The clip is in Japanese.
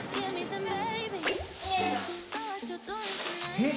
えっ？